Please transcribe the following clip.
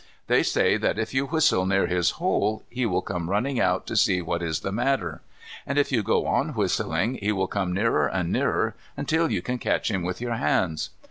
They say that if you whistle near his hole he will come running out to see what is the matter; and if you go on whistling he will come nearer and nearer until you can catch him with your hands.